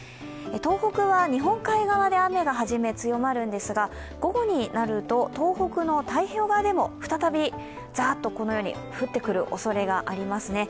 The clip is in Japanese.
東北は日本海側で雨がはじめ強まるんですが午後になると、東北の太平洋側でも再びザーッとこのように降ってくるおそれがありますね。